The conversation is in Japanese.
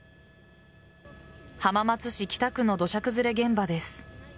浜松市北区の土砂崩れ現場です。